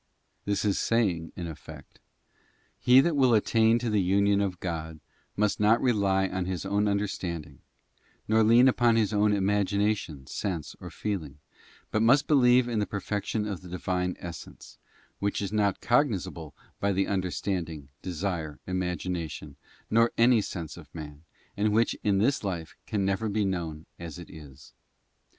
This is saying in effect, He that will attain to the union of God must not rely on his own understanding, nor lean upon his own imagination, sense, or feeling, but must believe in the perfection of the Divine Essence, which is not cognis able by the understanding, desire, imagination, nor any sense of man, and which in this life can never be known as it is.